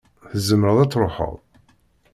Tzemreḍ ad tṛuḥeḍ.